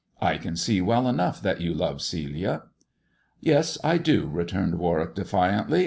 I can see well enough that you love Celia." " Yes, I do," returned Warwick defiantly.